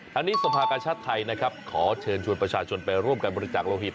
ทางนี้สภากาชาติไทยนะครับขอเชิญชวนประชาชนไปร่วมการบริจาคโลหิต